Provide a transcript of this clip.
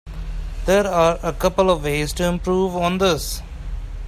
There are a couple ways to improve on this.